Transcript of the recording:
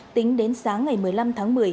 tính đến sáng ngày một mươi năm tháng một mươi